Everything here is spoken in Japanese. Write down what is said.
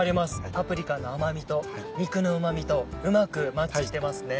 パプリカの甘味と肉のうま味とうまくマッチしてますね。